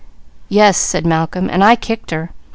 "Yes," said Malcolm. "And I kicked her.